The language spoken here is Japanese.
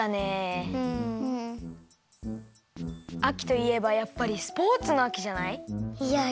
あきといえばやっぱりスポーツのあきじゃない？